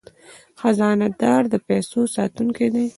خزانه دار د پیسو ساتونکی دی